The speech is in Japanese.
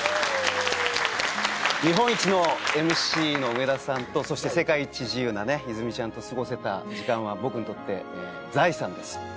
日本一のＭＣの上田さんとそして世界一自由な泉ちゃんと過ごせた時間は僕にとって財産です。